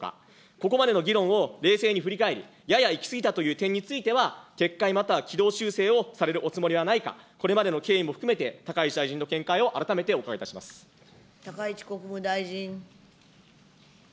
ここまでの議論を冷静に振り返り、やや行き過ぎたという点については、撤回、または軌道修正をされるおつもりはないか、これまでの経緯も含めて、高市大臣の見解を高市国務大臣。